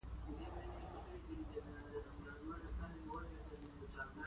پروکاریوت حجرې هسته نه لري.